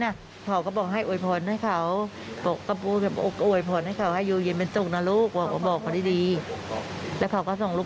ไม่ไม่หัวเราะละคร่ะไม่เห็นเกิดอะไรเขาพูดกับแฟนก่อนตลอด